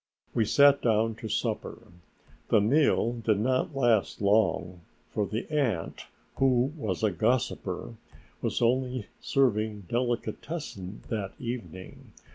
We sat down to supper. The meal did not last long, for the aunt, who was a gossiper, was only serving delicatessen that evening.